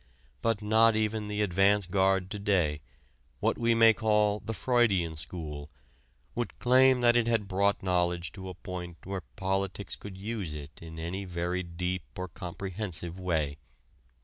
But not even the advance guard to day, what we may call the Freudian school, would claim that it had brought knowledge to a point where politics could use it in any very deep or comprehensive way.